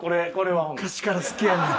昔から好きやねん。